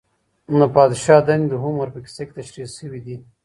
د پادشاه دندې د هومر په کيسه کي تشريح سوې دي.